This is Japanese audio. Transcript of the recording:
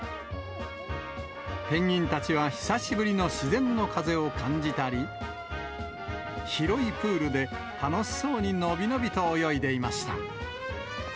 ペンギンたちは、久しぶりの自然の風を感じたり、広いプールで楽しそうに伸び伸びと泳いでいました。